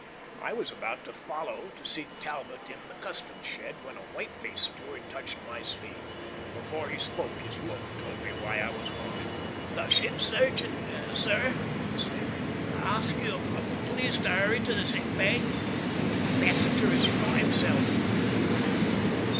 I was about to follow to seek for Talbot in the customs shed when a white faced steward touched my sleeve. Before he spoke his look told me why I was wanted. "The ship's surgeon, sir," he stammered, "asks you please to hurry to the sick bay. A passenger has shot himself!"